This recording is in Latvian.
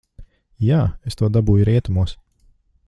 Jā, es to dabūju rietumos.